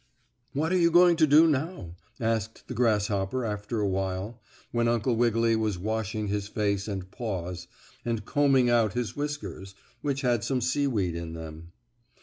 "What are you going to do now?" asked the grasshopper after a while, when Uncle Wiggily was washing his face and paws, and combing out his whiskers, which had some seaweed in them.